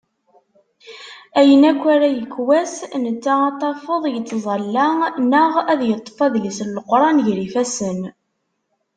Ayen akk ara yekk wass netta ad tafeḍ yettẓala neɣ ad yeṭṭef adlis n leqran gar yifasen.